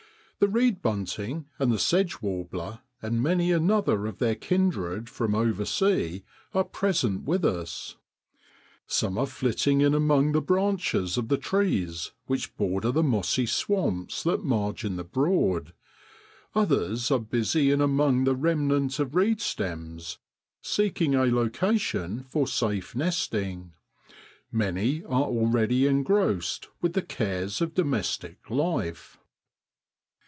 The reed bunting and the sedgewarbler, and many another of their kindred from over sea are present with us ; some are flitting in among the branches of the trees which border the mossy swamps that margin the Broad, others are busy in among the remnant of reed stems seeking a location for safe nesting. Many are already engrossed with the cares of domestic life.